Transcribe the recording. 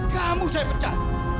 kamu saya pecat